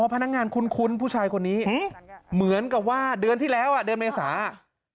พนักงานคุ้นผู้ชายคนนี้เหมือนกับว่าเดือนที่แล้วอ่ะเดือนเมษาอ่ะ